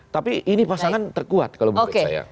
tapi ini pasangan terkuat kalau menurut saya